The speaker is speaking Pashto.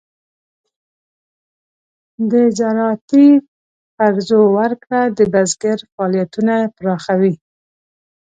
د زراعتي قرضو ورکړه د بزګر فعالیتونه پراخوي.